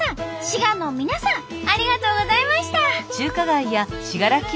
滋賀の皆さんありがとうございました。